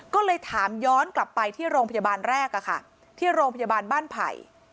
ก็เลยถามย้อนกลับไปที่โรงพยาบาลแรกที่โรงพยาบาลบ้านไผ่